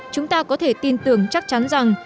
chúng ta có thể tin tưởng chắc chắn rằng